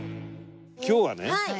今日はね